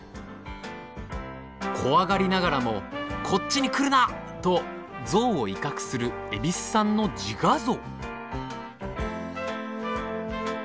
怖がりながらも「こっちに来るな！」とぞうを威嚇する蛭子さんの自画像！